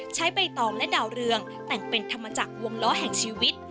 ใบตองและดาวเรืองแต่งเป็นธรรมจักรวงล้อแห่งชีวิต